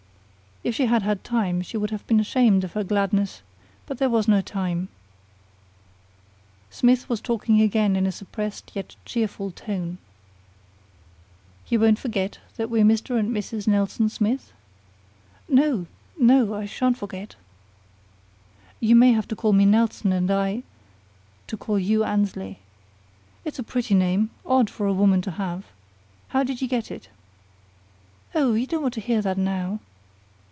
If she had had time she would have been ashamed of her gladness; but there was no time. Smith was talking again in a suppressed yet cheerful tone. "You won't forget that we're Mr. and Mrs. Nelson Smith?" "No no. I sha'n't forget." "You may have to call me Nelson, and I to call you Annesley. It's a pretty name, odd for a woman to have. How did you get it?" "Oh, you don't want to hear that now!"